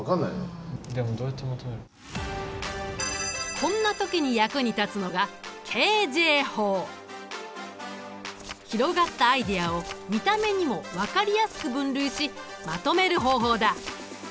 こんな時に役に立つのが広がったアイデアを見た目にも分かりやすく分類しまとめる方法だ。